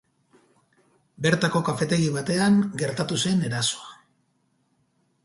Bertako kafetegi batean gertatu zen erasoa.